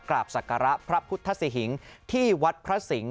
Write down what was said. กราบสักการะพระพุทธศิหิงที่วัดพระสิงฆ์